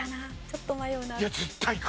ちょっと迷うな」。